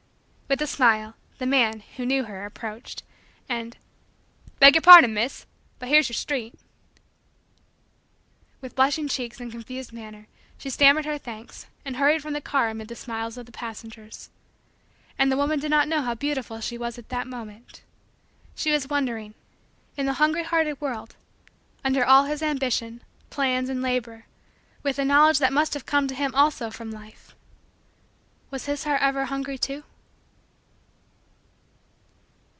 With a smile, the man, who knew her, approached, and: "Beg your pardon Miss, but here's your street." With blushing cheeks and confused manner, she stammered her thanks, and hurried from the car amid the smiles of the passengers. And the woman did not know how beautiful she was at that moment. She was wondering: in the hungry hearted world under all his ambition, plans, and labor, with the knowledge that must have come to him also from life was his heart ever hungry too?